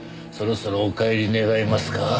そろそろお帰り願えますか？